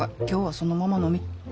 今日はそのまま飲み。